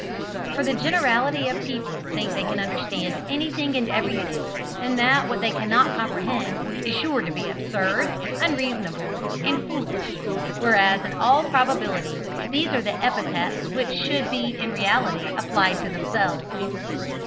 For the generality of people think they can understand anything and everything, and that what they cannot comprehend is sure to be absurd, unreasonable, and foolish, whereas in all probability these are the epithets which should in reality be applied to themselves.